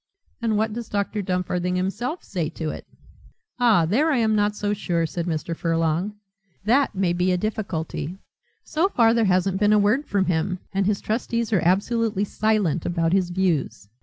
"And what does Dr. Dumfarthing himself say to it?" "Ah, there I am not so sure," said Mr. Furlong; "that may be a difficulty. So far there hasn't been a word from him, and his trustees are absolutely silent about his views.